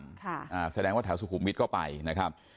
อ่าแสดงว่าแถวสุขุมวิทย์ก็ไปนะครับ